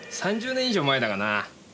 ３０年以上前だがな。